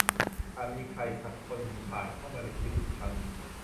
อาจมีใครสักคนผ่านเข้ามาในชีวิตอีกครั้ง